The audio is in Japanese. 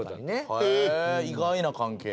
へえ意外な関係。